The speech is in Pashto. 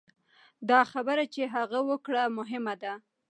دا خبره چې هغه وکړه مهمه ده.